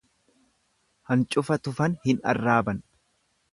Ancufa tufan hin arraaban.